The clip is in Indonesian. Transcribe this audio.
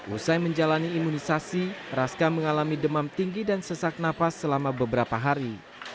usai menjalani imunisasi raska mengalami demam tinggi dan sesak nafas selama beberapa hari